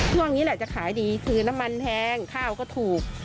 ช่วงนี้แหละจะขายดีคือน้ำมันแพงข้าวก็ถูก